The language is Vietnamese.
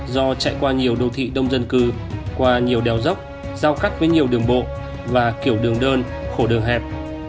do chạy qua nhiều đô thị đông dân cư qua nhiều đèo dốc giao cắt với nhiều đường bộ và kiểu đường đơn khổ đường hẹp